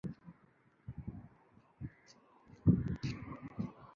kwa kuwapatia elimu kuwapatia maadili ya uongozi